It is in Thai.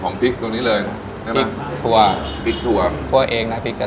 กลับมาสืบสาวเราเส้นที่ย่านบังคุณนอนเก็นต่อค่ะจะอร่อยเด็ดแค่ไหนให้เฮียเขาไปพิสูจน์กัน